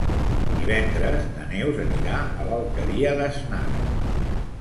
Divendres na Neus anirà a l'Alqueria d'Asnar.